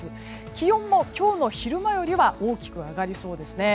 気温も今日の昼間よりは大きく上がりそうですね。